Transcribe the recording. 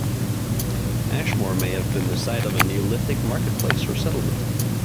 Ashmore may have been the site of a Neolithic market place or settlement.